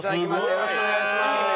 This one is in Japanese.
よろしくお願いします。